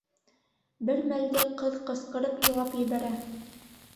Бер мәлде ҡыҙ ҡысҡырып илап ебәрә.